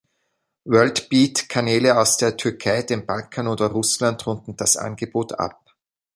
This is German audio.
Worldbeat-Kanäle aus der Türkei, dem Balkan oder Russland runden das Angebot ab.